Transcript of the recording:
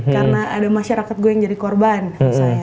karena ada masyarakat gue yang jadi korban misalnya